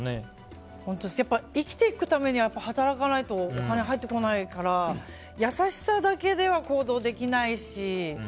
生きていくためには働かないとお金入ってこないから優しさだけでは行動できないし。